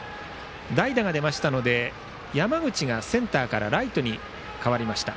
代打が出ましたので山口がセンターからライトへ変わりました。